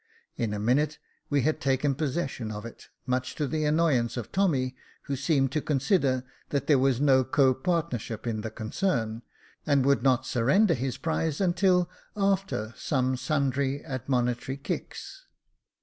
In a minute we had taken possession of it, much to the annoyance of Tommy, who seemed to consider that there was no co partnership in the concern, and would not surrender his prize until after sundry admonitory kicks.